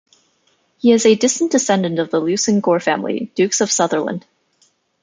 He is a distant descendant of the Leveson-Gower family, Dukes of Sutherland.